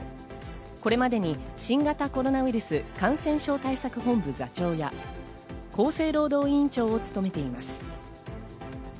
これまでに新型コロナウイルス感染症対策本部座長や厚生労働委員長を務めています。